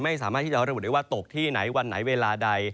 ไม่สามารถที่จะระบุได้ว่าตกที่ไหนวันไหนเวลาใด